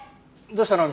どうしたの？